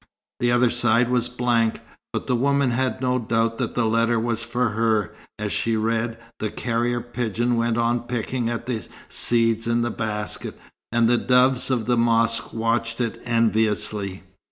The other side was blank, but the woman had no doubt that the letter was for her. As she read, the carrier pigeon went on pecking at the seeds in the basket, and the doves of the mosque watched it enviously.